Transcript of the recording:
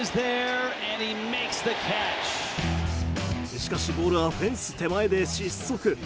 しかし、ボールはフェンス手前で失速。